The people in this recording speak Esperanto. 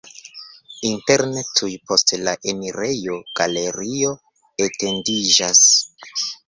Interne tuj post la enirejo galerio etendiĝas.